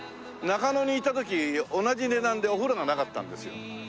中野にいた時同じ値段でお風呂がなかったんですよ。